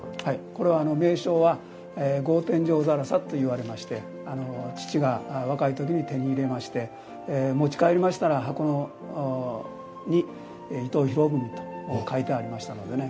これは名称は格天井更紗といわれまして父が若い時に手に入れまして持ち帰りましたら箱に「伊藤博文」と書いてありましたのでね